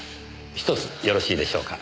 １つよろしいでしょうか。